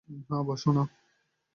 না, বাসো না।